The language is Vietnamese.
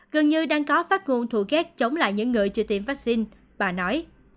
gần như đang có phát nguồn thù ghét chống lại những người chưa tiêm vaccine bà nói